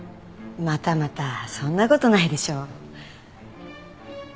またまたそんなことないでしょう。